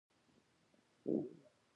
غیرت د غیرتي قام میراث دی